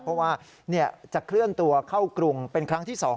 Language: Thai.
เพราะว่าจะเคลื่อนตัวเข้ากรุงเป็นครั้งที่๒